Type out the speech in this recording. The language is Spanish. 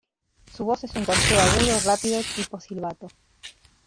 Su voz es un gorjeo agudo, rápido, tipo silbato.